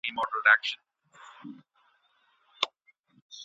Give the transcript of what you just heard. ولي لېواله انسان د لوستي کس په پرتله لاره اسانه کوي؟